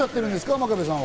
真壁さんは。